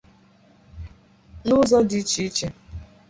n'ụzọ dị iche iche